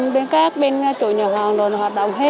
bên các bên chủ nhà hội an rồi hoạt động hết